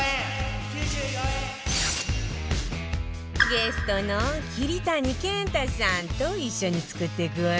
ゲストの桐谷健太さんと一緒に作っていくわよ